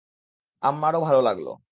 আমারও ভালো লাগলো।